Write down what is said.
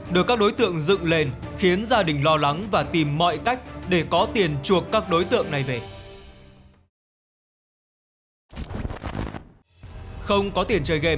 được các đối tượng dựng lên khiến gia đình lo lắng và tìm mọi cách để có tiền chuộc các đối tượng này về